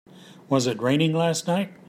Was it raining last night?